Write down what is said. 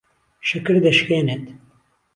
شەکر دەشکێنێت.